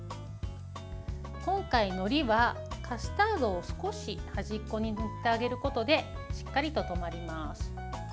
今回、のりはカスタードを少し端っこに塗ってあげることでしっかりと留まります。